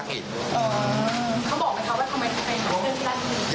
ค่ะ